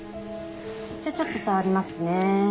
じゃあちょっと触りますね。